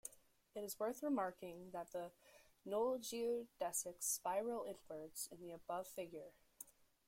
It is worth remarking that the null geodesics "spiral" inwards in the above figure.